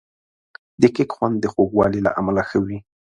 د کیک خوند د خوږوالي له امله ښه وي.